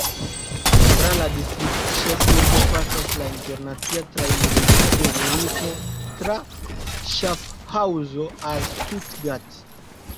Tra la distriktĉefurbo pasas la internacia trajnlinio de Zuriko tra Ŝafhaŭzo al Stuttgart.